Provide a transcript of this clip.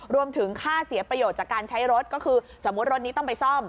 รวมถึงค่าเสียประโยชน์จากการใช้รถก็คือสมมุติรถนี้ต้องไปซ่อม